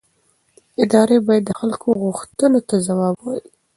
ادارې باید د خلکو غوښتنو ته ځواب ووایي